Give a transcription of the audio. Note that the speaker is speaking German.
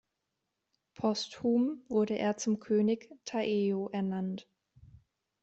Posthume wurde er zum König Taejo ernannt.